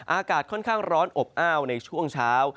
อากาศค่อนข้างร้อนอบอ้าวในช่วงเช้า